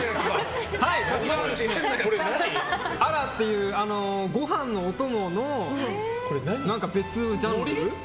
これはアラ！というご飯のお供の別ジャンル？